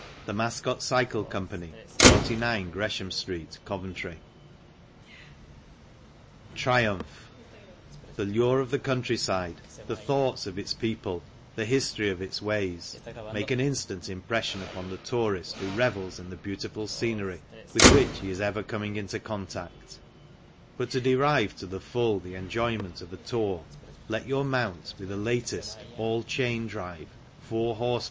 I THE MASCOT CYCLE COMPANY 49 Gresham Street COVENTRY lillllllllllllllllllllllllllllllllllllllllllllli *J| The lure of the countryside, the thoughts of its people, the history of its ways, make an instant im pression upon the tourist who revels in the beauti ful scenery with which he is ever coining in contact ^| But to derive to the full the enjoyment of a tour let your mount be the latest All Chain Drive 4 h. p.